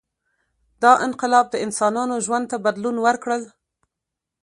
• دا انقلاب د انسانانو ژوند ته بدلون ورکړ.